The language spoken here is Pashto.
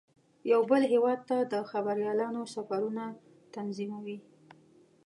یو بل هیواد ته د خبریالانو سفرونه تنظیموي.